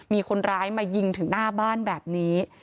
มีคนร้ายมายิงถึงหน้าบ้านแบบนี้